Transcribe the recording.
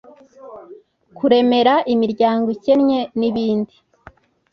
kuremera imiryango ikennye n’ibindi